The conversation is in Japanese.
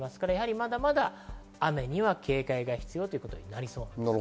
まだまだ雨には警戒が必要となりそうです。